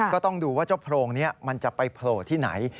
ก็ต้องดูว่าเจ้าโพรงนี้มันจะไปโผล่ที่ไหน